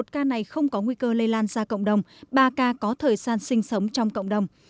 một ca này không có nguy cơ lây lan ra cộng đồng ba ca có thời gian sinh sống trong cộng đồng